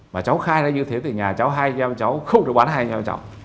mà cháu khai ra như thế thì nhà cháu hai em cháu không được bán hai em cháu